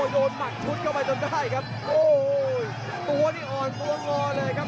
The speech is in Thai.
หมัดชุดเข้าไปจนได้ครับโอ้โหตัวนี่อ่อนตัวงอเลยครับ